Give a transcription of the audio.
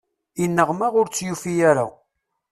Ineɣma ur tt-yufi ara.